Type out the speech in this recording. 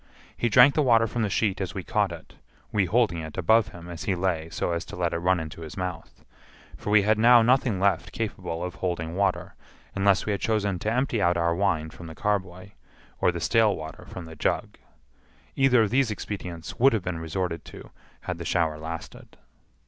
He drank the water from the sheet as we caught it (we holding it above him as he lay so as to let it run into his mouth), for we had now nothing left capable of holding water, unless we had chosen to empty out our wine from the carboy, or the stale water from the jug. Either of these expedients would have been resorted to had the shower lasted.